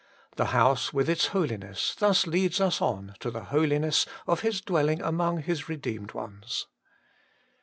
The house with its holiness thus leads us on to the holiness of His dwelling among His redeemed ones.